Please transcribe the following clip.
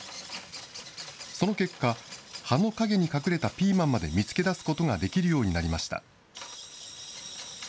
その結果、葉の陰に隠れたピーマンまで見つけ出すことができるようになりました。